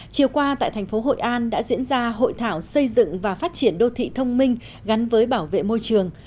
chiều qua tại thành phố hội an đã diễn ra hội thảo xây dựng và phát triển đô thị thông minh gắn với bảo vệ môi trường